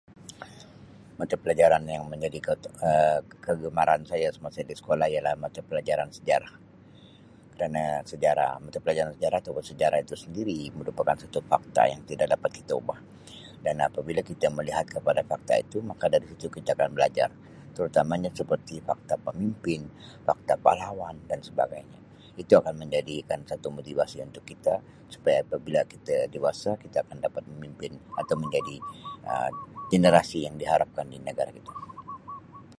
Mata pelajaran yang menjadi Um kegemaran saya semasa di sekolah ialah mata pelajaran sejarah kerna sejarah, mata pelajaran sejarah itu [unintelligible] sejarah itu sendiri. Merupakan satu fakta yang tidak dapat berubah dan apabila kita melihat kepada fakta itu maka di situ kita akan belajar terutama seperti fakta pemimpin, fakta pahlawan dan sebagainya. Itu akan menjadikan satu motivasi untuk supaya apabila kita dewasa kita akan dapat memimpin atau menjadi generasi yang diharapkan di negara kita.